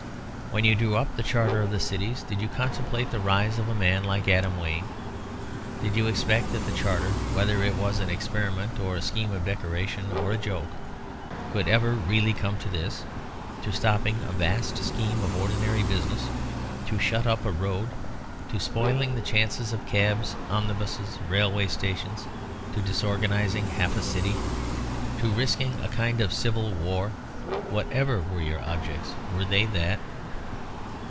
When you drew up the Charter of the Cities, did you contemplate the rise of a man like Adam Wayne? Did you expect that the Charter whether it was an experiment, or a scheme of decoration, or a joke could ever really come to this to stopping a vast scheme of ordinary business, to shutting up a road, to spoiling the chances of cabs, omnibuses, railway stations, to disorganising half a city, to risking a kind of civil war? Whatever were your objects, were they that?"